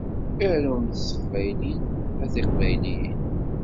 Arumt s teqbaylit a tiqbayliyin!